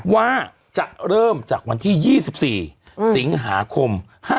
ว่าจะเริ่มจากวันที่๒๔สิงหาคม๕๖